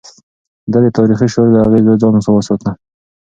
ده د تاريخي شور له اغېزو ځان وساته.